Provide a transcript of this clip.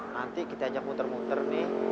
nanti kita ajak muter muter nih